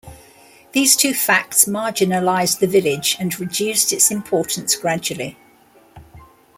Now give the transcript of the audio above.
These two facts marginalized the village and reduced its importance gradually.